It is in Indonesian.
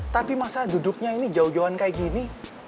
tapi masa duduknya ini jauh jauhan kayak gini